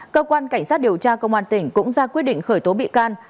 cơ quan cảnh sát điều tra công an tỉnh cũng ra quyết định khởi tố bị can